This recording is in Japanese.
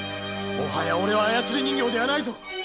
もはやオレは操り人形じゃないぞ！